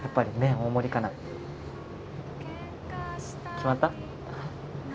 決まった？